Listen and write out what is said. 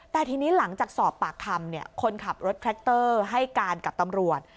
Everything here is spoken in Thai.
แต่ทีนี้หลังจากสอบปากคำคนขับรถแทรคเตอร์ให้การกับตำรวจ